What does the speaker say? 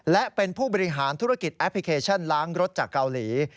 และเป็นผู้บริหารธุรกิจแอปพลิเคชันล้างรถจากเกาหลี